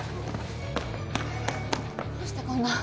どうしてこんな。